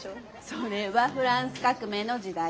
それはフランス革命の時代。